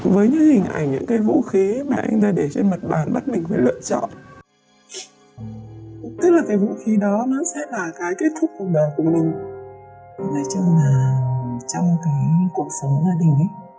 với những hình ảnh những vũ khí mà anh ta để trên mặt bàn bắt mình phải lựa chọn